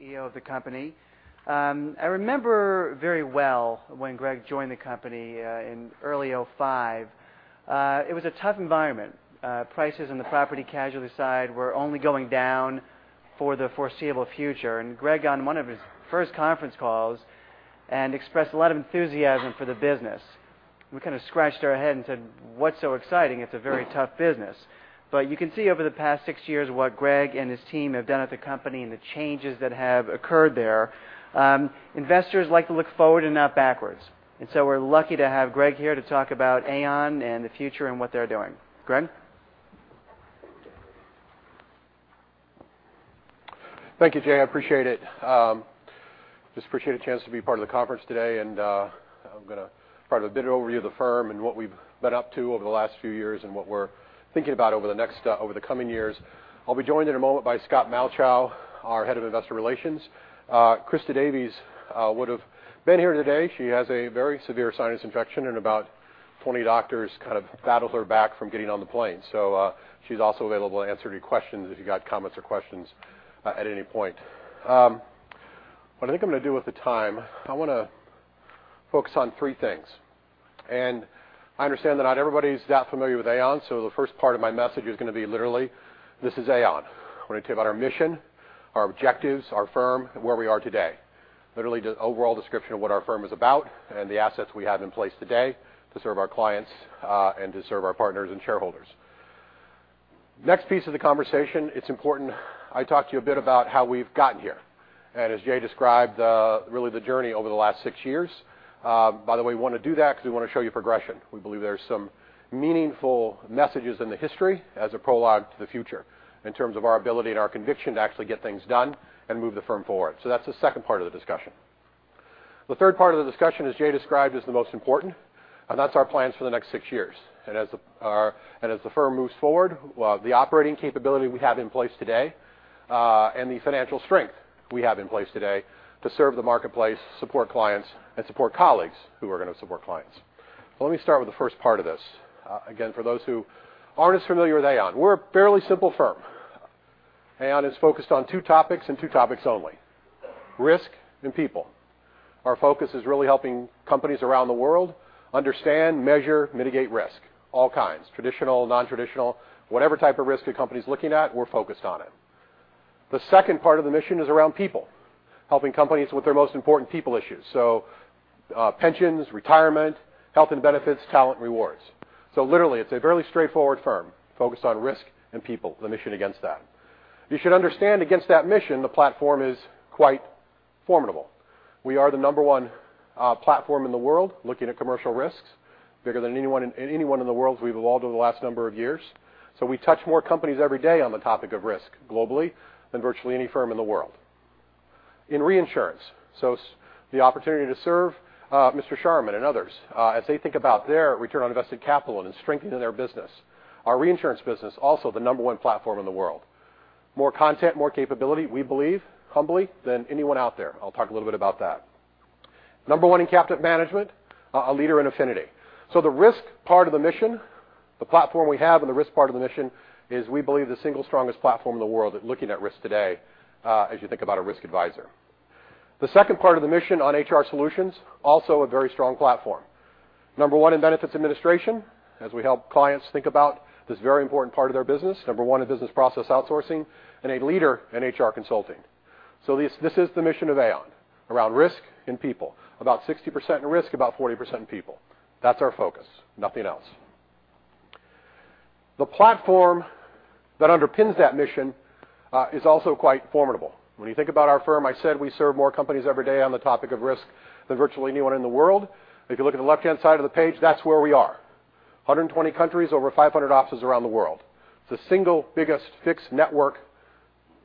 He's CEO of the company. I remember very well when Greg joined the company in early 2005. It was a tough environment. Prices in the property casualty side were only going down for the foreseeable future. Greg, on one of his first conference calls, expressed a lot of enthusiasm for the business. We kind of scratched our head and said, "What's so exciting? It's a very tough business." You can see over the past six years what Greg and his team have done at the company and the changes that have occurred there. Investors like to look forward and not backwards. We're lucky to have Greg here to talk about Aon and the future and what they're doing. Greg? Thank you, Jay. I appreciate it. Just appreciate a chance to be part of the conference today. I'm going to provide a bit of overview of the firm and what we've been up to over the last few years and what we're thinking about over the coming years. I'll be joined in a moment by Scott Malchow, our Head of Investor Relations. Christa Davies would've been here today. She has a very severe sinus infection. About 20 doctors kind of battled her back from getting on the plane. She's also available to answer any questions if you've got comments or questions at any point. What I think I'm going to do with the time, I want to focus on three things. I understand that not everybody's that familiar with Aon, the first part of my message is going to be literally, this is Aon. I want to tell you about our mission, our objectives, our firm, and where we are today. Literally, the overall description of what our firm is about and the assets we have in place today to serve our clients and to serve our partners and shareholders. Next piece of the conversation, it's important I talk to you a bit about how we've gotten here. As Jay described, really the journey over the last six years. By the way, we want to do that because we want to show you progression. We believe there's some meaningful messages in the history as a prologue to the future in terms of our ability and our conviction to actually get things done and move the firm forward. That's the second part of the discussion. The third part of the discussion, as Jay described, is the most important. That's our plans for the next six years. As the firm moves forward, the operating capability we have in place today, the financial strength we have in place today to serve the marketplace, support clients, and support colleagues who are going to support clients. Let me start with the first part of this. Again, for those who aren't as familiar with Aon, we're a fairly simple firm. Aon is focused on two topics and two topics only, risk and people. Our focus is really helping companies around the world understand, measure, mitigate risk. All kinds, traditional, non-traditional, whatever type of risk a company's looking at, we're focused on it. The second part of the mission is around people, helping companies with their most important people issues. Pensions, retirement, health and benefits, talent, and rewards. Literally, it's a fairly straightforward firm focused on risk and people, the mission against that. You should understand against that mission, the platform is quite formidable. We are the number one platform in the world looking at commercial risks, bigger than anyone in the world we've evolved over the last number of years. We touch more companies every day on the topic of risk globally than virtually any firm in the world. In reinsurance, the opportunity to serve Mr. Sharma and others as they think about their return on invested capital and strengthening their business. Our reinsurance business, also the number one platform in the world. More content, more capability, we believe, humbly, than anyone out there. I'll talk a little bit about that. Number one in captive management, a leader in affinity. The risk part of the mission, the platform we have and the risk part of the mission is we believe the single strongest platform in the world at looking at risk today, as you think about a risk advisor. The second part of the mission on HR solutions, also a very strong platform. Number one in benefits administration, as we help clients think about this very important part of their business. Number one in business process outsourcing, and a leader in HR consulting. This is the mission of Aon around risk and people. About 60% in risk, about 40% in people. That's our focus, nothing else. The platform that underpins that mission is also quite formidable. When you think about our firm, I said we serve more companies every day on the topic of risk than virtually anyone in the world. If you look at the left-hand side of the page, that's where we are. 120 countries, over 500 offices around the world. It's the single biggest fixed network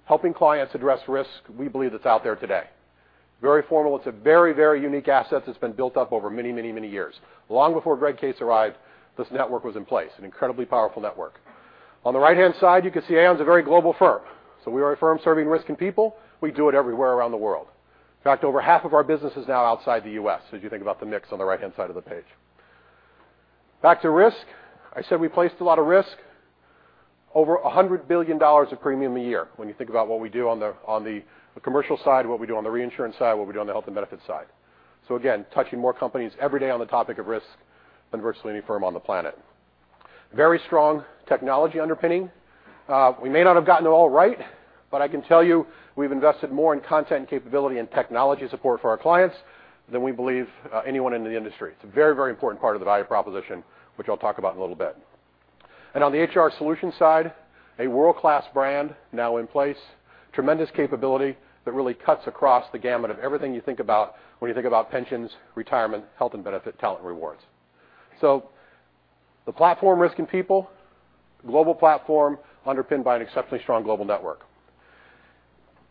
helping clients address risk we believe that's out there today. Very formal. It's a very, very unique asset that's been built up over many, many, many years. Long before Greg Case arrived, this network was in place, an incredibly powerful network. On the right-hand side, you can see Aon's a very global firm. We are a firm serving risk and people. We do it everywhere around the world. In fact, over half of our business is now outside the U.S., as you think about the mix on the right-hand side of the page. Back to risk. I said we placed a lot of risk. Over $100 billion of premium a year, when you think about what we do on the commercial side, what we do on the reinsurance side, what we do on the health and benefits side. Again, touching more companies every day on the topic of risk than virtually any firm on the planet. Very strong technology underpinning. We may not have gotten it all right, but I can tell you we've invested more in content capability and technology support for our clients than we believe anyone in the industry. It's a very, very important part of the value proposition, which I'll talk about in a little bit. On the HR solutions side, a world-class brand now in place. Tremendous capability that really cuts across the gamut of everything you think about when you think about pensions, retirement, health and benefit, talent rewards. The platform risk and people, global platform underpinned by an exceptionally strong global network.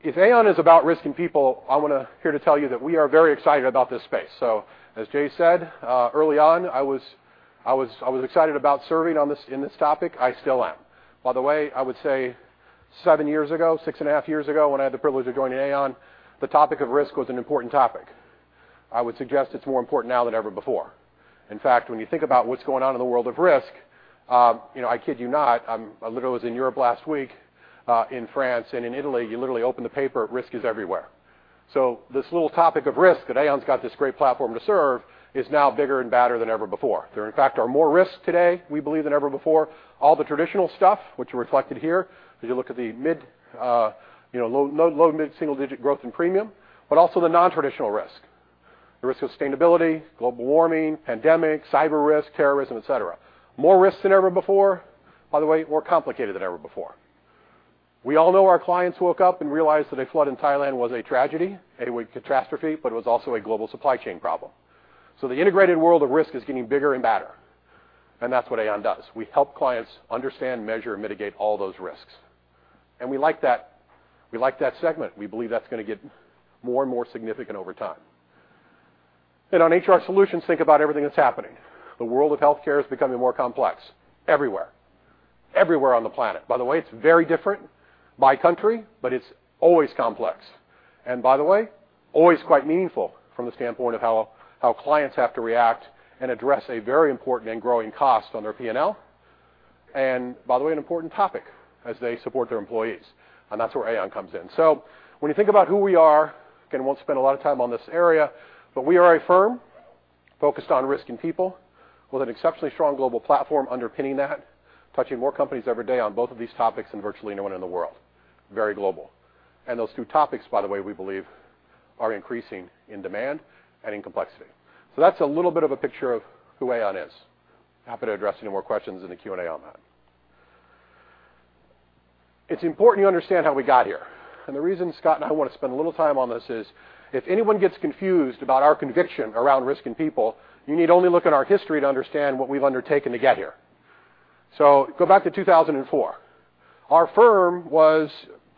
If Aon is about risk and people, I'm here to tell you that we are very excited about this space. As Jay said, early on, I was excited about serving in this topic. I still am. By the way, I would say seven years ago, six and a half years ago, when I had the privilege of joining Aon, the topic of risk was an important topic. I would suggest it's more important now than ever before. In fact, when you think about what's going on in the world of risk, I kid you not, I literally was in Europe last week, in France and in Italy, you literally open the paper, risk is everywhere. This little topic of risk that Aon's got this great platform to serve is now bigger and badder than ever before. There, in fact, are more risks today, we believe, than ever before. All the traditional stuff which are reflected here, as you look at the low to mid-single digit growth in premium, but also the non-traditional risk, the risk of sustainability, global warming, pandemic, cyber risk, terrorism, et cetera. More risks than ever before. By the way, more complicated than ever before. We all know our clients woke up and realized that a flood in Thailand was a tragedy, it was a catastrophe, but it was also a global supply chain problem. The integrated world of risk is getting bigger and badder, and that's what Aon does. We help clients understand, measure, and mitigate all those risks. We like that segment. We believe that's going to get more and more significant over time. On HR solutions, think about everything that's happening. The world of healthcare is becoming more complex everywhere. Everywhere on the planet. By the way, it's very different by country, but it's always complex. By the way, always quite meaningful from the standpoint of how clients have to react and address a very important and growing cost on their P&L, and by the way, an important topic as they support their employees, and that's where Aon comes in. When you think about who we are, again, won't spend a lot of time on this area, but we are a firm focused on risk and people with an exceptionally strong global platform underpinning that, touching more companies every day on both of these topics than virtually anyone in the world. Very global. Those two topics, by the way, we believe are increasing in demand and in complexity. That's a little bit of a picture of who Aon is. Happy to address any more questions in the Q&A on that. It's important you understand how we got here, and the reason Scott and I want to spend a little time on this is if anyone gets confused about our conviction around risk and people, you need only look at our history to understand what we've undertaken to get here. Go back to 2004. Our firm was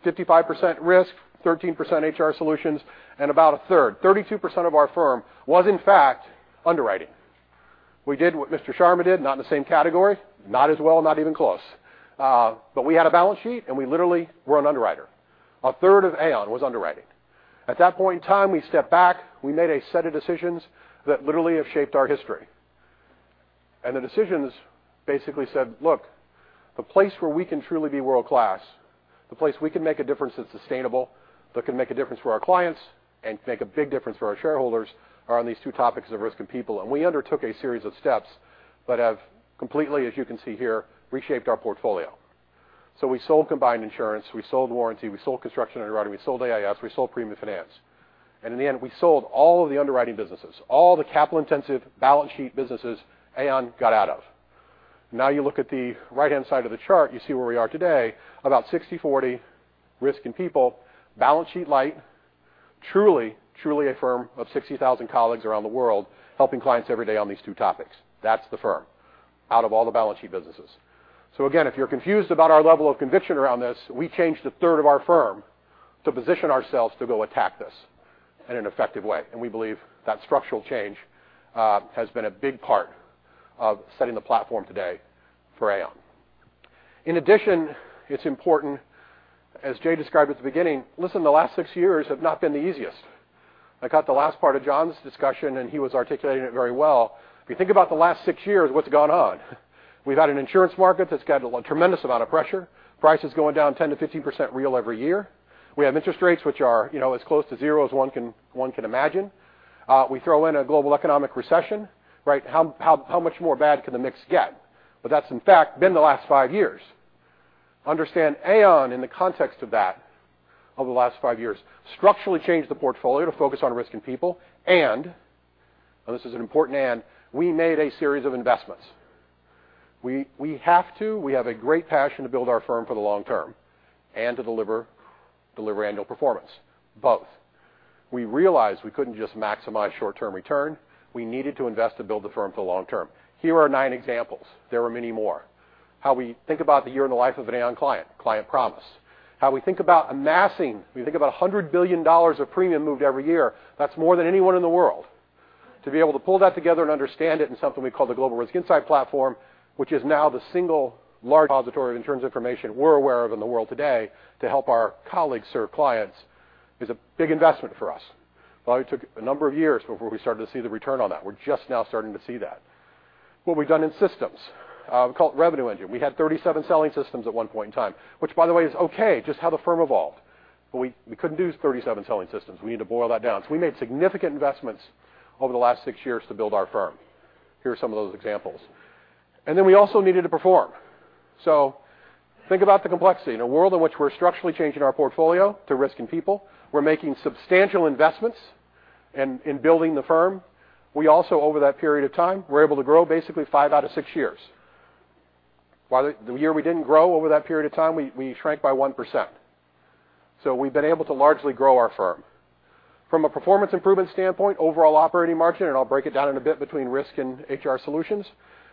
55% risk, 13% HR solutions, and about a third, 32% of our firm was, in fact, underwriting. We did what Mr. Sharma did, not in the same category, not as well, not even close. We had a balance sheet, and we literally were an underwriter. A third of Aon was underwriting. At that point in time, we stepped back, we made a set of decisions that literally have shaped our history. The decisions basically said, look, the place where we can truly be world-class, the place we can make a difference that's sustainable, that can make a difference for our clients and make a big difference for our shareholders, are on these two topics of risk and people. We undertook a series of steps that have completely, as you can see here, reshaped our portfolio. We sold Combined Insurance, we sold warranty, we sold construction underwriting, we sold AIS, we sold premium finance. In the end, we sold all of the underwriting businesses, all the capital-intensive balance sheet businesses, Aon got out of. You look at the right-hand side of the chart, you see where we are today, about 60/40 risk and people, balance sheet light, truly a firm of 60,000 colleagues around the world helping clients every day on these two topics. That's the firm out of all the balance sheet businesses. Again, if you're confused about our level of conviction around this, we changed a third of our firm to position ourselves to go attack this in an effective way. We believe that structural change has been a big part of setting the platform today for Aon. In addition, it's important, as Jay described at the beginning, listen, the last six years have not been the easiest. I caught the last part of John's discussion, and he was articulating it very well. If you think about the last six years, what's gone on? We've had an insurance market that's got a tremendous amount of pressure, prices going down 10%-15% real every year. We have interest rates which are as close to zero as one can imagine. We throw in a global economic recession, right? How much more bad can the mix get? That's, in fact, been the last five years. Understand Aon in the context of that over the last five years structurally changed the portfolio to focus on risk and people, and, now this is an important and, we made a series of investments. We have to. We have a great passion to build our firm for the long term and to deliver annual performance. Both. We realized we couldn't just maximize short-term return. We needed to invest to build the firm for the long term. Here are nine examples. There are many more. How we think about the year in the life of an Aon client, Aon Client Promise. How we think about amassing, when you think about $100 billion of premium moved every year, that's more than anyone in the world. To be able to pull that together and understand it in something we call the Global Risk Insight Platform, which is now the single large repository of insurance information we're aware of in the world today to help our colleagues serve clients, is a big investment for us. By the way, it took a number of years before we started to see the return on that. We're just now starting to see that. What we've done in systems, we call it Revenue Engine. We had 37 selling systems at one point in time, which by the way, is okay, just how the firm evolved. We couldn't do 37 selling systems. We need to boil that down. We made significant investments over the last six years to build our firm. Here are some of those examples. We also needed to perform. Think about the complexity. In a world in which we're structurally changing our portfolio to risk and people, we're making substantial investments in building the firm. We also, over that period of time, were able to grow basically five out of six years. By the way, the year we didn't grow over that period of time, we shrank by 1%. We've been able to largely grow our firm. From a performance improvement standpoint, overall operating margin, and I'll break it down in a bit between risk and HR solutions,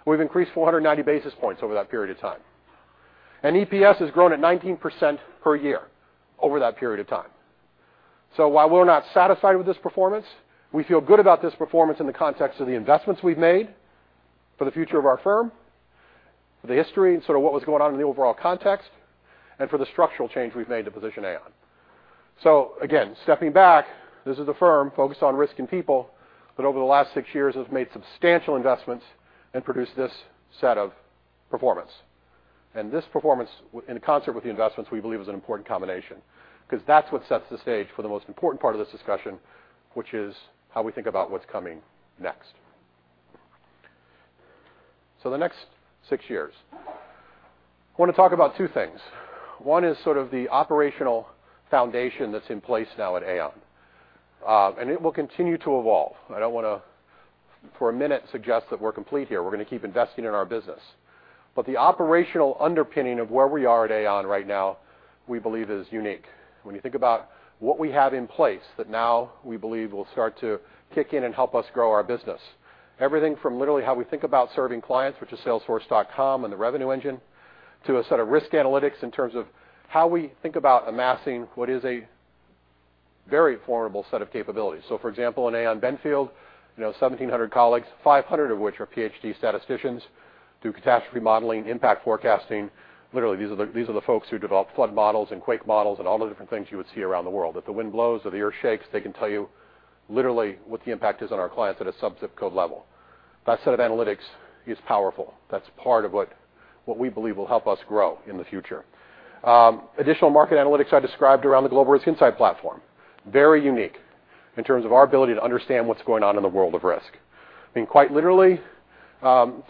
we've increased 490 basis points over that period of time. EPS has grown at 19% per year over that period of time. While we're not satisfied with this performance, we feel good about this performance in the context of the investments we've made for the future of our firm. The history and sort of what was going on in the overall context, and for the structural change we've made to position Aon. Again, stepping back, this is a firm focused on risk and people, that over the last six years has made substantial investments and produced this set of performance. This performance, in concert with the investments, we believe is an important combination. That's what sets the stage for the most important part of this discussion, which is how we think about what's coming next. The next six years. I want to talk about two things. One is sort of the operational foundation that's in place now at Aon. It will continue to evolve. I don't want to, for a minute, suggest that we're complete here. We're going to keep investing in our business. The operational underpinning of where we are at Aon right now, we believe is unique. When you think about what we have in place that now we believe will start to kick in and help us grow our business. Everything from literally how we think about serving clients, which is salesforce.com and the Revenue Engine, to a set of risk analytics in terms of how we think about amassing what is a very formidable set of capabilities. For example, in Aon Benfield, 1,700 colleagues, 500 of which are Ph.D. statisticians, do catastrophe modeling, impact forecasting. Literally, these are the folks who develop flood models and quake models and all the different things you would see around the world. If the wind blows or the earth shakes, they can tell you literally what the impact is on our clients at a sub-ZIP code level. That set of analytics is powerful. That's part of what we believe will help us grow in the future. Additional market analytics I described around the Global Risk Insight Platform, very unique in terms of our ability to understand what's going on in the world of risk. I mean, quite literally,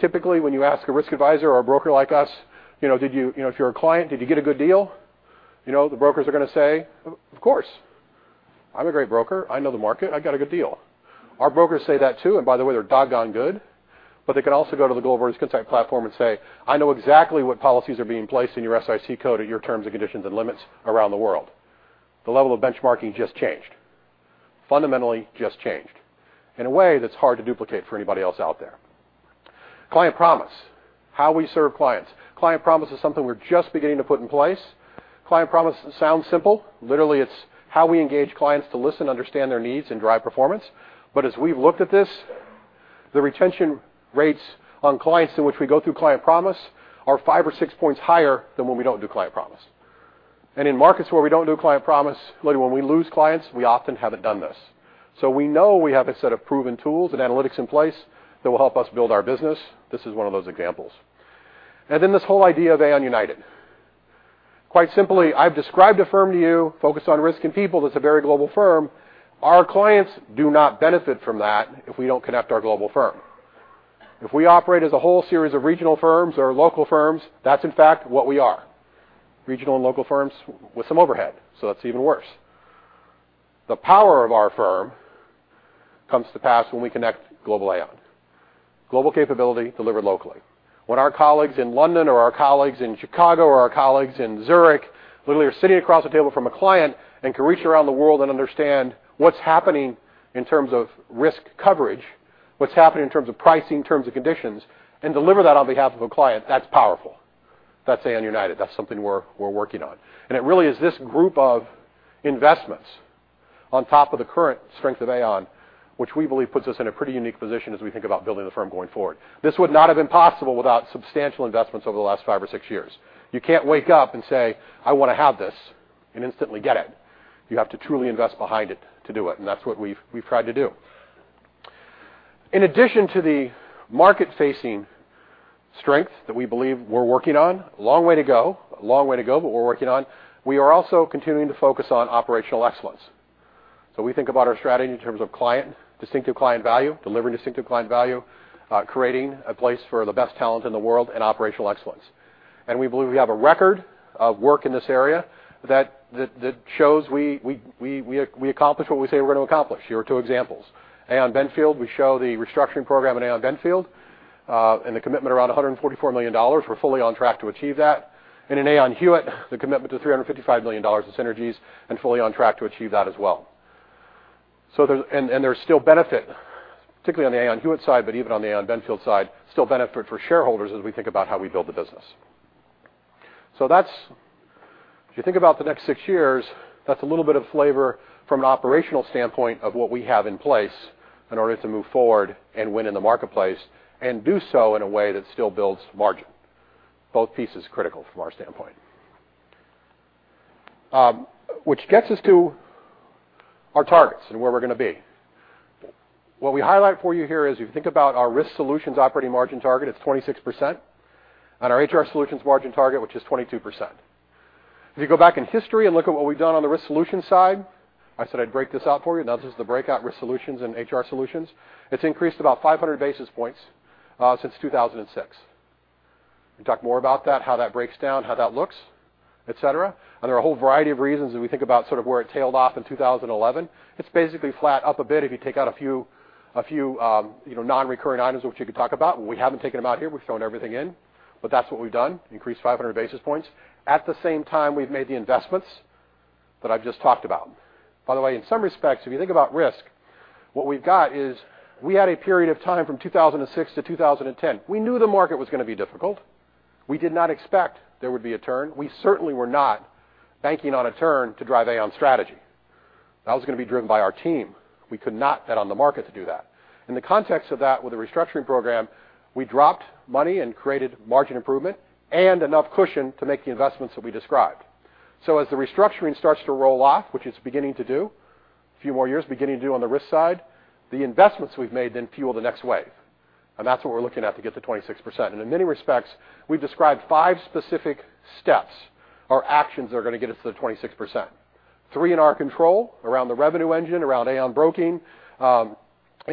typically, when you ask a risk advisor or a broker like us, if you're a client, "Did you get a good deal?" The brokers are going to say, "Of course. I'm a great broker. I know the market. I got a good deal." Our brokers say that too, by the way, they're doggone good, they could also go to the Global Risk Insight Platform and say, "I know exactly what policies are being placed in your SIC code at your terms and conditions and limits around the world." The level of benchmarking just changed. Fundamentally just changed in a way that's hard to duplicate for anybody else out there. Client Promise, how we serve clients. Client Promise is something we're just beginning to put in place. Client Promise sounds simple. Literally, it's how we engage clients to listen, understand their needs, and drive performance. As we've looked at this, the retention rates on clients in which we go through Client Promise are five or six points higher than when we don't do Client Promise. In markets where we don't do Client Promise, literally, when we lose clients, we often haven't done this. We know we have a set of proven tools and analytics in place that will help us build our business. This is one of those examples. This whole idea of Aon United. Quite simply, I've described a firm to you, focused on risk and people, that's a very global firm. Our clients do not benefit from that if we don't connect our global firm. If we operate as a whole series of regional firms or local firms, that's in fact what we are, regional and local firms with some overhead, that's even worse. The power of our firm comes to pass when we connect global Aon. Global capability delivered locally. When our colleagues in London or our colleagues in Chicago or our colleagues in Zurich literally are sitting across the table from a client and can reach around the world and understand what's happening in terms of risk coverage, what's happening in terms of pricing, terms and conditions, and deliver that on behalf of a client, that's powerful. That's Aon United. That's something we're working on. It really is this group of investments on top of the current strength of Aon, which we believe puts us in a pretty unique position as we think about building the firm going forward. This would not have been possible without substantial investments over the last five or six years. You can't wake up and say, "I want to have this," and instantly get it. You have to truly invest behind it to do it, that's what we've tried to do. In addition to the market-facing strength that we believe we're working on, long way to go, we're working on, we are also continuing to focus on operational excellence. We think about our strategy in terms of client, distinctive client value, delivering distinctive client value, creating a place for the best talent in the world, and operational excellence. We believe we have a record of work in this area that shows we accomplish what we say we're going to accomplish. Here are two examples. Aon Benfield, we show the restructuring program in Aon Benfield, the commitment around $144 million. We're fully on track to achieve that. In Aon Hewitt, the commitment to $355 million of synergies and fully on track to achieve that as well. There's still benefit, particularly on the Aon Hewitt side, but even on the Aon Benfield side, still benefit for shareholders as we think about how we build the business. If you think about the next six years, that's a little bit of flavor from an operational standpoint of what we have in place in order to move forward and win in the marketplace and do so in a way that still builds margin. Both pieces critical from our standpoint, which gets us to our targets and where we're going to be. What we highlight for you here is, if you think about our risk solutions operating margin target, it's 26%, and our HR solutions margin target, which is 22%. If you go back in history and look at what we've done on the risk solutions side, I said I'd break this out for you. This is the breakout risk solutions and HR solutions. It's increased about 500 basis points since 2006. We can talk more about that, how that breaks down, how that looks, et cetera. There are a whole variety of reasons as we think about sort of where it tailed off in 2011. It's basically flat up a bit if you take out a few non-recurring items, which you could talk about. We haven't taken them out here. We've thrown everything in. That's what we've done, increased 500 basis points. At the same time, we've made the investments that I've just talked about. By the way, in some respects, if you think about risk, what we've got is we had a period of time from 2006 to 2010. We knew the market was going to be difficult. We did not expect there would be a turn. We certainly were not banking on a turn to drive Aon strategy. That was going to be driven by our team. We could not bet on the market to do that. In the context of that, with the restructuring program, we dropped money and created margin improvement and enough cushion to make the investments that we described. As the restructuring starts to roll off, which it's beginning to do, a few more years, beginning to do on the risk side, the investments we've made then fuel the next wave. That's what we're looking at to get to 26%. In many respects, we've described five specific steps or actions that are going to get us to the 26%. Three in our control around the Revenue Engine, around Aon broking, and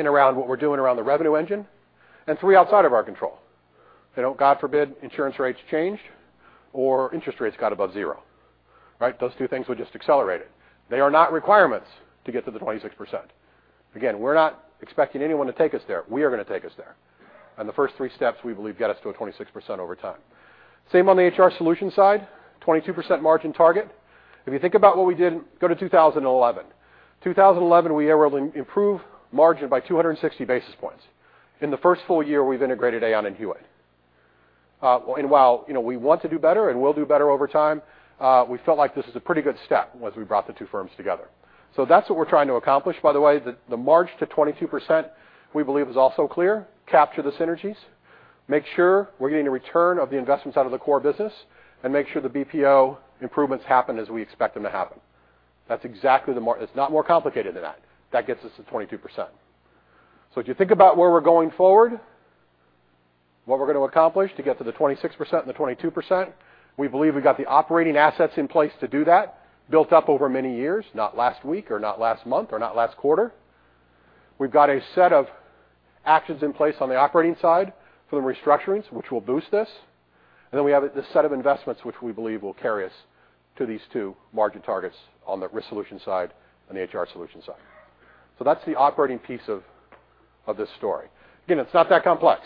around what we're doing around the Revenue Engine, and three outside of our control. God forbid, insurance rates change or interest rates got above zero. Those two things would just accelerate it. They are not requirements to get to the 26%. Again, we're not expecting anyone to take us there. We are going to take us there. The first three steps, we believe, get us to a 26% over time. Same on the HR solutions side, 22% margin target. If you think about what we did, go to 2011. 2011, we were able to improve margin by 260 basis points in the first full year we've integrated Aon and Hewitt. While we want to do better and will do better over time, we felt like this is a pretty good step as we brought the two firms together. That's what we're trying to accomplish. By the way, the march to 22% we believe is also clear. Capture the synergies, make sure we're getting a return of the investments out of the core business, and make sure the BPO improvements happen as we expect them to happen. It's not more complicated than that. That gets us to 22%. If you think about where we're going forward, what we're going to accomplish to get to the 26% and the 22%, we believe we've got the operating assets in place to do that, built up over many years, not last week or not last month or not last quarter. We've got a set of actions in place on the operating side for the restructurings, which will boost this. We have this set of investments which we believe will carry us to these two margin targets on the Risk Solutions side and the HR solutions side. That's the operating piece of this story. Again, it's not that complex.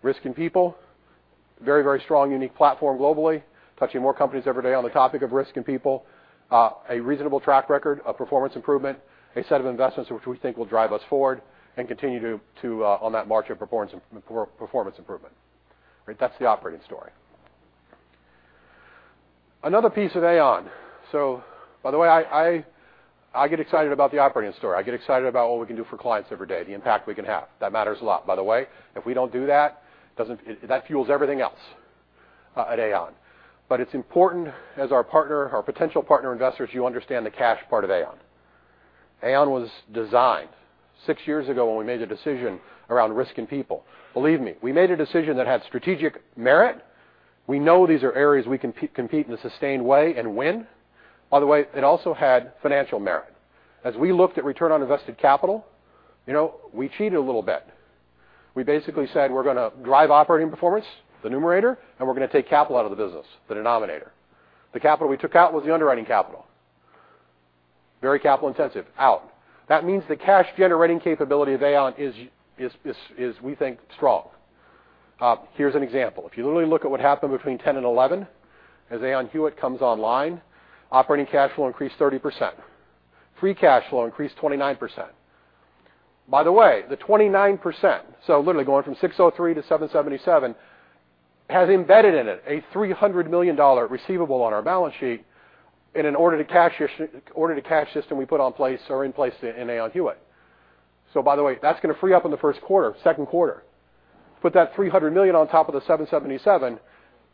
Risk and people, very strong, unique platform globally, touching more companies every day on the topic of risk and people, a reasonable track record of performance improvement, a set of investments which we think will drive us forward and continue on that march of performance improvement. That's the operating story. Another piece of Aon. By the way, I get excited about the operating story. I get excited about what we can do for clients every day, the impact we can have. That matters a lot, by the way. If we don't do that fuels everything else at Aon. It's important as our potential partner investors, you understand the cash part of Aon. Aon was designed six years ago when we made a decision around risk and people. Believe me, we made a decision that had strategic merit. We know these are areas we can compete in a sustained way and win. By the way, it also had financial merit. As we looked at return on invested capital, we cheated a little bit. We basically said we're going to drive operating performance, the numerator, and we're going to take capital out of the business, the denominator. The capital we took out was the underwriting capital. Very capital intensive, out. That means the cash generating capability of Aon is, we think, strong. Here's an example. If you literally look at what happened between 2010 and 2011, as Aon Hewitt comes online, operating cash flow increased 30%. Free cash flow increased 29%. By the way, the 29%, literally going from $603 to $777, has embedded in it a $300 million receivable on our balance sheet in an order to cash system we put in place in Aon Hewitt. By the way, that's going to free up in the first quarter, second quarter. Put that $300 million on top of the $777,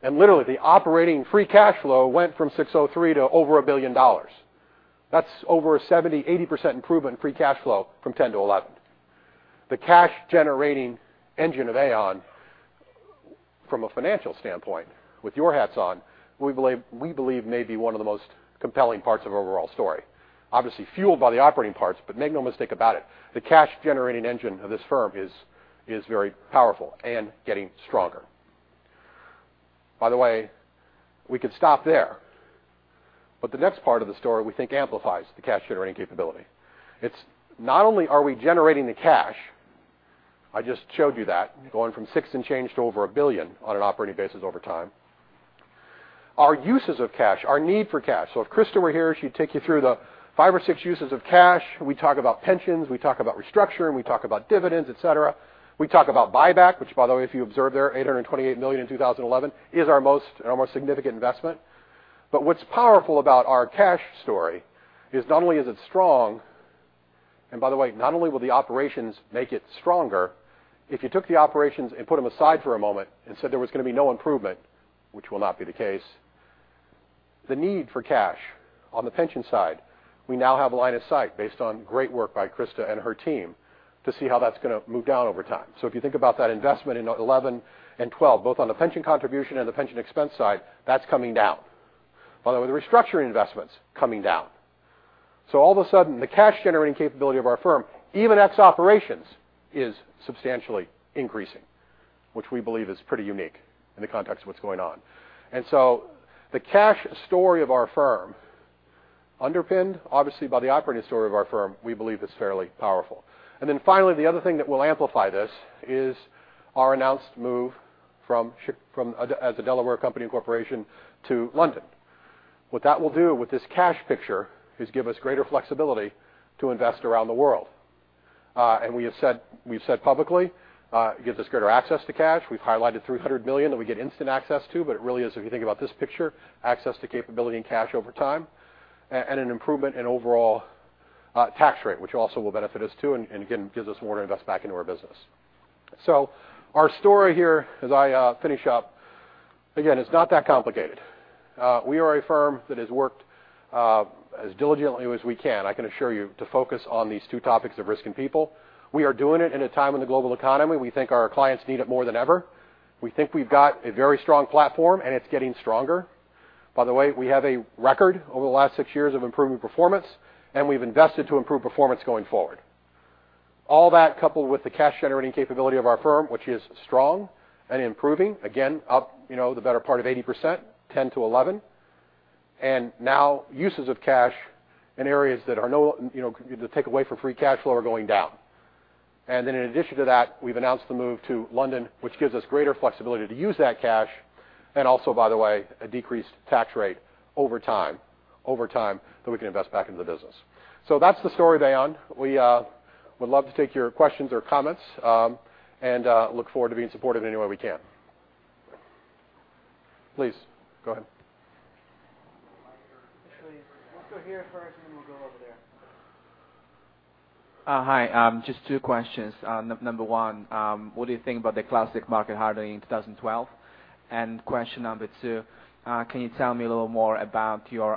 and literally the operating free cash flow went from $603 to over $1 billion. That's over a 70%-80% improvement in free cash flow from 2010 to 2011. The cash generating engine of Aon from a financial standpoint, with your hats on, we believe may be one of the most compelling parts of our overall story. Obviously fueled by the operating parts, but make no mistake about it, the cash generating engine of this firm is very powerful and getting stronger. By the way, we could stop there. The next part of the story we think amplifies the cash generating capability. It's not only are we generating the cash, I just showed you that, going from six and change to over $1 billion on an operating basis over time. Our uses of cash, our need for cash. If Christa were here, she'd take you through the five or six uses of cash. We talk about pensions, we talk about restructuring, we talk about dividends, et cetera. We talk about buyback, which by the way, if you observe there, $828 million in 2011 is our most significant investment. What's powerful about our cash story is not only is it strong, and by the way, not only will the operations make it stronger, if you took the operations and put them aside for a moment and said there was going to be no improvement, which will not be the case, the need for cash on the pension side, we now have a line of sight based on great work by Christa and her team to see how that's going to move down over time. If you think about that investment in 2011 and 2012, both on the pension contribution and the pension expense side, that's coming down. By the way, the restructuring investment's coming down. All of a sudden, the cash generating capability of our firm, even ex operations, is substantially increasing, which we believe is pretty unique in the context of what's going on. The cash story of our firm, underpinned obviously by the operating story of our firm, we believe is fairly powerful. Finally, the other thing that will amplify this is our announced move as a Delaware company incorporation to London. What that will do with this cash picture is give us greater flexibility to invest around the world. We have said publicly, it gives us greater access to cash. We've highlighted $300 million that we get instant access to, but it really is, if you think about this picture, access to capability and cash over time, and an improvement in overall tax rate, which also will benefit us too, and again, gives us more to invest back into our business. Our story here, as I finish up, again, it's not that complicated. We are a firm that has worked as diligently as we can, I can assure you, to focus on these two topics of risk and people. We are doing it in a time in the global economy. We think our clients need it more than ever. We think we've got a very strong platform, and it's getting stronger. By the way, we have a record over the last six years of improving performance, and we've invested to improve performance going forward. All that coupled with the cash-generating capability of our firm, which is strong and improving, again, up the better part of 80%, 2010 to 2011. Now uses of cash in areas that take away from free cash flow are going down. In addition to that, we've announced the move to London, which gives us greater flexibility to use that cash, and also, by the way, a decreased tax rate over time, that we can invest back into the business. That's the story of Aon. We would love to take your questions or comments, and look forward to being supportive in any way we can. Please, go ahead. Actually, let's go here first, and then we'll go over there. Hi, just two questions. Number one, what do you think about the classic market hardening in 2012? Question number 2, can you tell me a little more about your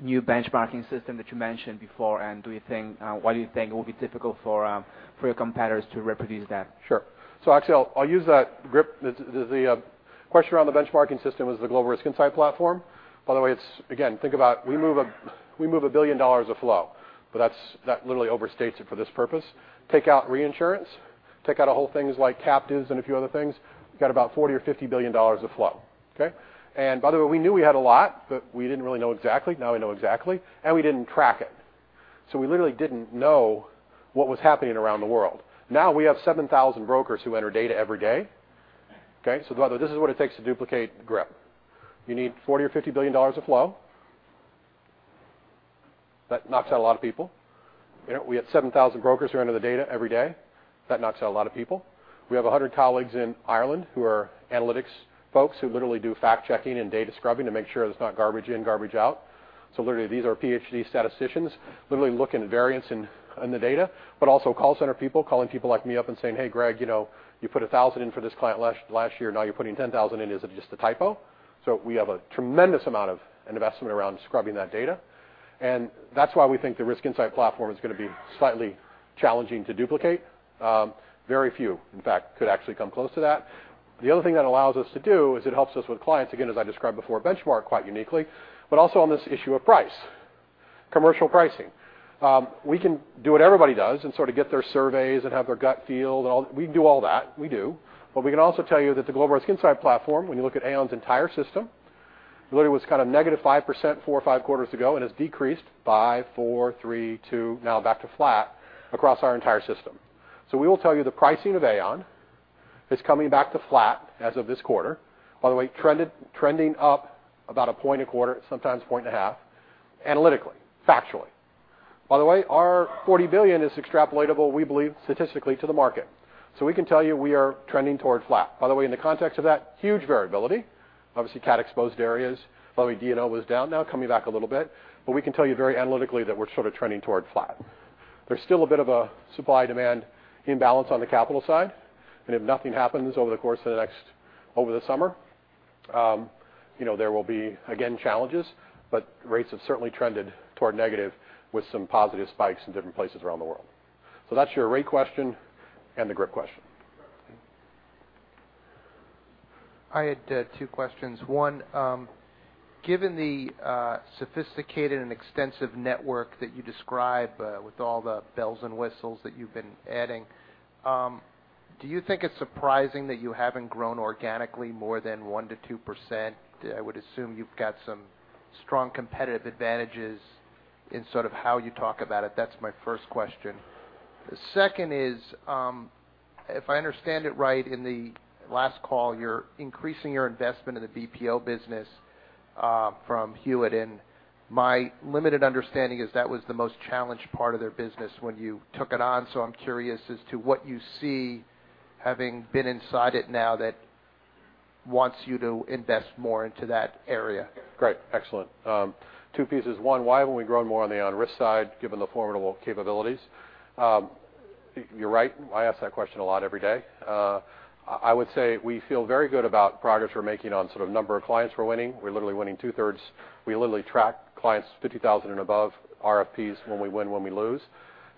new benchmarking system that you mentioned before? Why do you think it will be difficult for your competitors to reproduce that? Sure. Actually, I'll use that GRIP. The question around the benchmarking system was the Global Risk Insight Platform. By the way, again, think about we move $1 billion of flow, but that literally overstates it for this purpose. Take out reinsurance, take out whole things like captives and a few other things, we've got about $40 billion or $50 billion of flow. Okay? By the way, we knew we had a lot, but we didn't really know exactly. Now we know exactly. We didn't track it. We literally didn't know what was happening around the world. Now we have 7,000 brokers who enter data every day. Okay? By the way, this is what it takes to duplicate GRIP. You need $40 billion or $50 billion of flow. That knocks out a lot of people. We have 7,000 brokers who enter the data every day. That knocks out a lot of people. We have 100 colleagues in Ireland who are analytics folks who literally do fact-checking and data scrubbing to make sure it's not garbage in, garbage out. Literally, these are PhD statisticians literally looking at variance in the data, but also call center people calling people like me up and saying, "Hey, Greg, you put 1,000 in for this client last year. Now you're putting 10,000 in. Is it just a typo?" We have a tremendous amount of investment around scrubbing that data, and that's why we think the Risk Insight Platform is going to be slightly challenging to duplicate. Very few, in fact, could actually come close to that. The other thing that allows us to do is it helps us with clients, again, as I described before, benchmark quite uniquely, but also on this issue of price, commercial pricing. We can do what everybody does and sort of get their surveys and have their gut feel and all. We can do all that. We do. We can also tell you that the Global Risk Insight Platform, when you look at Aon's entire system, literally was kind of -5% four or five quarters ago and has decreased five, four, three, two, now back to flat across our entire system. We will tell you the pricing of Aon is coming back to flat as of this quarter. By the way, trending up about a point a quarter, sometimes a point and a half, analytically, factually. By the way, our $40 billion is extrapolatable, we believe, statistically, to the market. We can tell you we are trending toward flat. By the way, in the context of that, huge variability. Obviously, cat exposed areas. By the way, D&O was down, now coming back a little bit. We can tell you very analytically that we're sort of trending toward flat. There's still a bit of a supply-demand imbalance on the capital side, and if nothing happens over the course of the next-- over the summer, there will be, again, challenges, but rates have certainly trended toward negative with some positive spikes in different places around the world. That's your rate question and the GRIP question. Okay. I had two questions. One, given the sophisticated and extensive network that you describe with all the bells and whistles that you've been adding, do you think it's surprising that you haven't grown organically more than 1%-2%? I would assume you've got some strong competitive advantages in sort of how you talk about it. That's my first question. The second is, if I understand it right in the last call, you're increasing your investment in the BPO business from Hewitt, and my limited understanding is that was the most challenged part of their business when you took it on. I'm curious as to what you see, having been inside it now, that wants you to invest more into that area. Great. Excellent. Two pieces. One, why haven't we grown more on the Aon Risk side, given the formidable capabilities? You're right. I ask that question a lot every day. I would say we feel very good about progress we're making on sort of number of clients we're winning. We're literally winning two-thirds. We literally track clients 50,000 and above RFPs when we win, when we lose,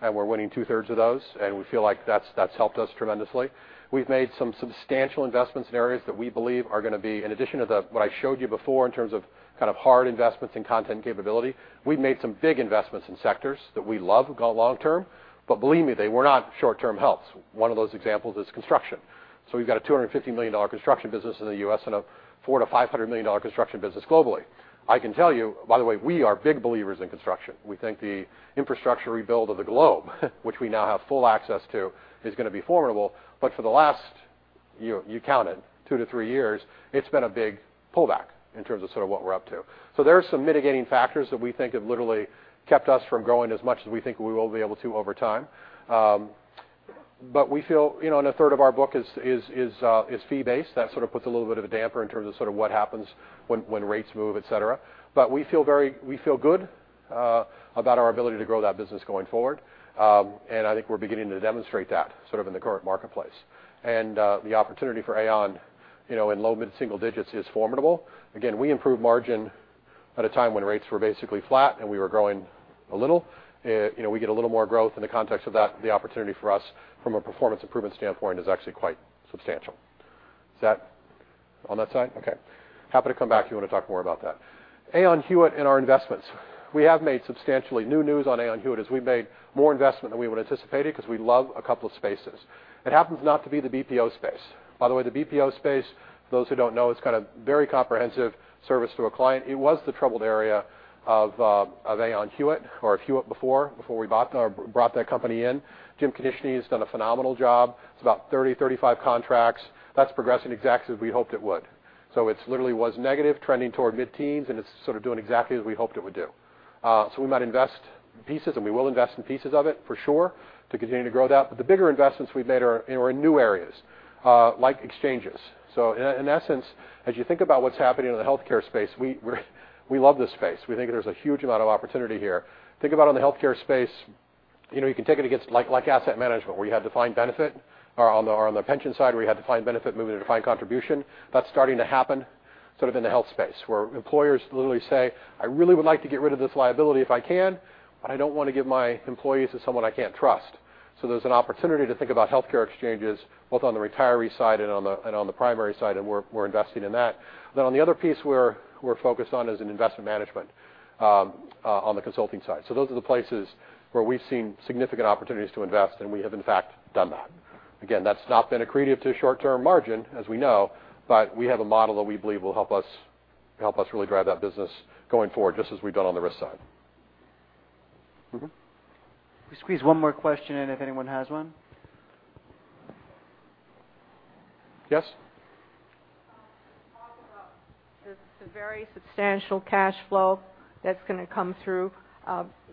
and we're winning two-thirds of those, and we feel like that's helped us tremendously. We've made some substantial investments in areas that we believe are going to be, in addition to what I showed you before in terms of kind of hard investments in content capability, we've made some big investments in sectors that we love long term. Believe me, they were not short-term helps. One of those examples is construction. We've got a $250 million construction business in the U.S. and a $400 million-$500 million construction business globally. I can tell you, by the way, we are big believers in construction. We think the infrastructure rebuild of the globe which we now have full access to, is going to be formidable. For the last You counted two to three years, it's been a big pullback in terms of what we're up to. There are some mitigating factors that we think have literally kept us from growing as much as we think we will be able to over time. We feel, and a third of our book is fee-based. That puts a little bit of a damper in terms of what happens when rates move, et cetera. We feel good about our ability to grow that business going forward. I think we're beginning to demonstrate that in the current marketplace. The opportunity for Aon, in low mid-single digits is formidable. Again, we improved margin at a time when rates were basically flat, and we were growing a little. We get a little more growth in the context of that, the opportunity for us from a performance improvement standpoint is actually quite substantial. Is that on that side? Okay. Happy to come back if you want to talk more about that. Aon Hewitt and our investments. We have made substantially new news on Aon Hewitt as we've made more investment than we would anticipated because we love a couple of spaces. It happens not to be the BPO space. By the way, the BPO space, for those who don't know, it's kind of very comprehensive service to a client. It was the troubled area of Aon Hewitt or of Hewitt before we bought or brought that company in. Jim Konieczny has done a phenomenal job. It's about 30-35 contracts. That's progressing exactly as we hoped it would. It literally was negative trending toward mid-teens, and it's doing exactly as we hoped it would do. We might invest pieces, and we will invest in pieces of it for sure to continue to grow that. The bigger investments we've made are in new areas, like exchanges. In essence, as you think about what's happening in the healthcare space, we love this space. We think there's a huge amount of opportunity here. Think about on the healthcare space, you can take it against asset management, where you had defined benefit or on the pension side, where you had defined benefit moving to defined contribution. That's starting to happen in the health space, where employers literally say, "I really would like to get rid of this liability if I can, but I don't want to give my employees to someone I can't trust." There's an opportunity to think about healthcare exchanges both on the retiree side and on the primary side, and we're investing in that. On the other piece we're focused on is in investment management, on the consulting side. Those are the places where we've seen significant opportunities to invest, and we have in fact done that. Again, that's not been accretive to short-term margin, as we know, but we have a model that we believe will help us really drive that business going forward, just as we've done on the risk side. Mm-hmm. We squeeze one more question in if anyone has one. Yes. Talk about the very substantial cash flow that's going to come through.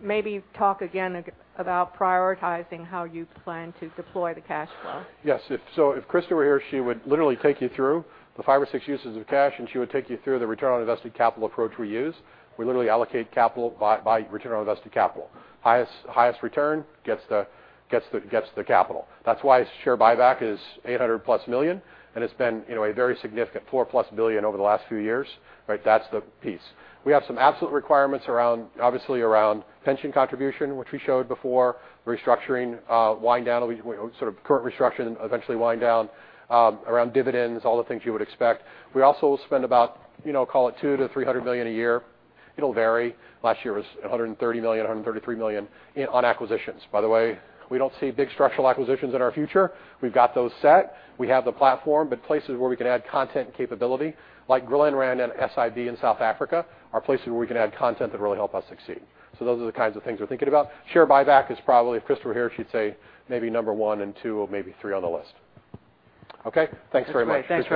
Maybe talk again about prioritizing how you plan to deploy the cash flow. Yes. If Christa were here, she would literally take you through the five or six uses of cash, and she would take you through the return on invested capital approach we use. We literally allocate capital by return on invested capital. Highest return gets the capital. That's why share buyback is $800+ million, and it's been a very significant $4+ billion over the last few years, right? That's the piece. We have some absolute requirements obviously around pension contribution, which we showed before, restructuring, wind down, sort of current restructuring, eventually wind down, around dividends, all the things you would expect. We also will spend about, call it $2 million-$300 million a year. It'll vary. Last year was $130 million, $133 million on acquisitions. By the way, we don't see big structural acquisitions in our future. We've got those set. We have the platform, but places where we can add content and capability, like Glenrand MIB and SIB in South Africa, are places where we can add content that really help us succeed. Those are the kinds of things we're thinking about. Share buyback is probably, if Christa were here, she'd say maybe number one and two or maybe three on the list. Okay, thanks very much. Thanks.